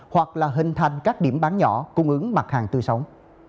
hoặc là hình thành các điểm bán nhỏ cung ứng mặt hàng tươi sống